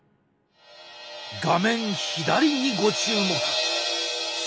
画面左にご注目。